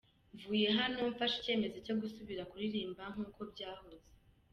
Mvuye hano mfashe icyemezo cyo gusubira kuririmba nkuko byahoze.